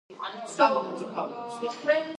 გამოსახულება შეიძლება იყოს პირდაპირი ან შებრუნებული.